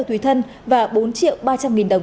tùy thân và bốn triệu ba trăm linh nghìn đồng